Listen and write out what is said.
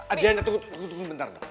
adriana tunggu tunggu bentar dong